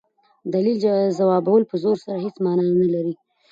دلیل ځوابول په زور سره هيڅ مانا نه لري.